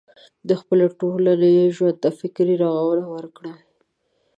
د خپلې ټولنې ژوند ته فکري روغونه ورکړي.